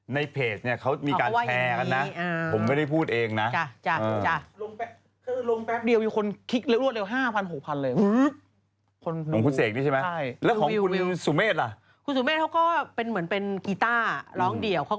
ในเพจเนี่ยเขามีการแชร์กันนะ